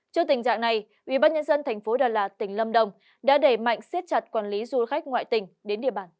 trước tình trạng này ubnd tp đà lạt tỉnh lâm đồng đã đẩy mạnh siết chặt quản lý du khách ngoại tỉnh đến địa bàn